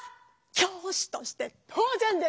教師として当ぜんです。